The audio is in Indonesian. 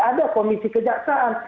ada komisi kejaksaan